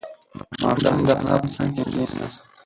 ماشوم د انا په څنگ کې کېناست.